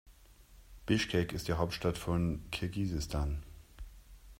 Bischkek ist die Hauptstadt von Kirgisistan.